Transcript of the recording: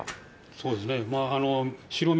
そうですね。